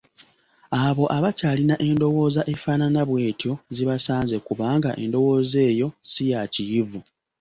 Abo abakyalina endowooza efaanana bwetyo zibasanze kubanga endowooza eyo si ya Kiyivu